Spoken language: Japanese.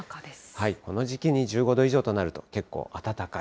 この時期に１５度以上となると、結構暖かい。